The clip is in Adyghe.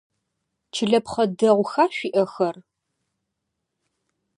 Чылэпхъэ дэгъуха шъуиӏэхэр?